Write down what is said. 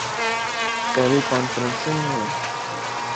ٹیلی conferencing م